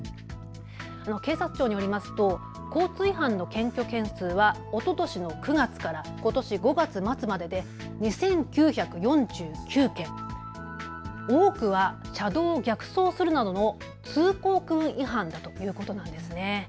警察庁によりますと交通違反の検挙件数はおととしの９月からことしの５月の末までで２９４９件、多くは車道を逆走するなどの通行区分違反だということです。